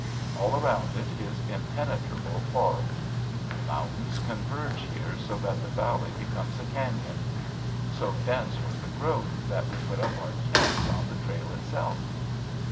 All around it is impenetrable forest. The mountains converge here so that the valley becomes a cañon. So dense was the growth that we put up our tents on the trail itself.